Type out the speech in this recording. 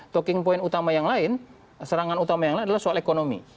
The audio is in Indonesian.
talking point utama yang lain serangan utama yang lain adalah soal ekonomi